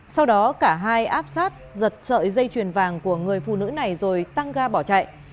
sau đó cả hai áp sát giật sợi dây chuyền vàng của người phụ nữ này rồi tăng ga bỏ chạy